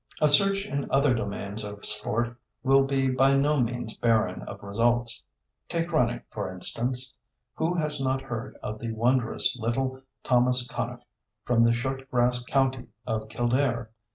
A search in other domains of sport will be by no means barren of results. Take running, for instance. Who has not heard of the wondrous little Thomas Conneff from the short grass county of Kildare?